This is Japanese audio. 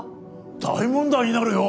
大問題になるよ。